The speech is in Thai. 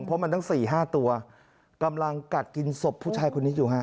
เพราะมันตั้ง๔๕ตัวกำลังกัดกินศพผู้ชายคนนี้อยู่ฮะ